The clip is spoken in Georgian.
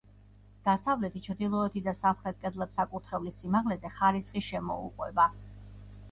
დასავლეთი, ჩრდილოეთი და სამხრეთ კედლებს საკურთხევლის სიმაღლეზე ხარისხი შემოუყვება.